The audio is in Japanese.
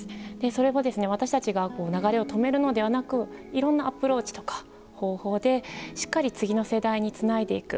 それは、私たちが流れを止めるのではなくいろんなアプローチとか方法でしっかりとつないでいく。